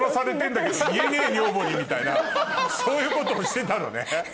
みたいなそういうことをしてたのね。